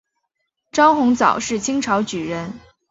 张鸿藻是清朝举人。